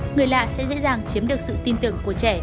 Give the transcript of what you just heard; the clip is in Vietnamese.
người lạ sẽ dễ dàng chiếm được sự tin tưởng của trẻ